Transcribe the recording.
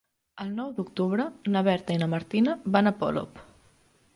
El nou d'octubre na Berta i na Martina van a Polop.